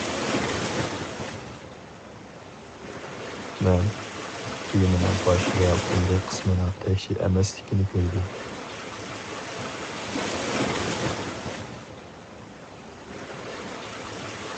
مەن كىمىنىڭ باش ۋە قۇيرۇق قىسمىنىڭ تەكشى ئەمەسلىكىنى كۆردۈم.